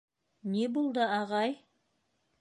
Ни булды, ағай?!